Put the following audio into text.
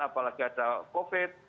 apalagi ada covid